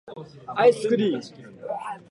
アイスクリーム